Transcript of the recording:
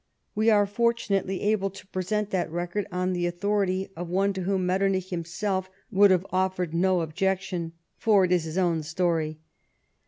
We are fortunately able to present that record on the authority of one to whom Metternich himself would have offered no objection, for it is his own story.